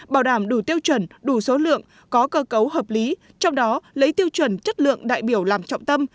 bảo đảm đủ tiêu chuẩn đủ số lượng có cơ cấu hợp lý trong đó lấy tiêu chuẩn chất lượng đại biểu làm trọng tâm